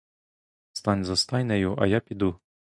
Стань за стайнею, а я піду.